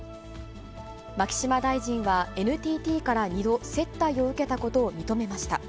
牧島大臣は、ＮＴＴから２度、接待を受けたことを認めました。